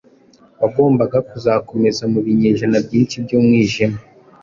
wagombaga kuzakomeza mu binyejana byinshi by’umwijima